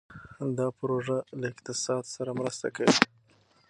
دا پروژه له اقتصاد سره مرسته کوي.